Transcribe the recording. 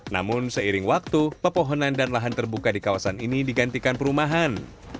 namun seiring waktu pepohonan dan lahan terbuka di kawasan ini digantikan perumahan